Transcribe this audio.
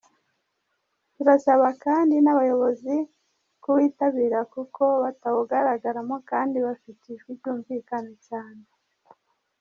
Turasaba kandi n’abayobozi kuwitabira kuko batawugaragaramo kandi bafite ijwi ryumvikana cyane”.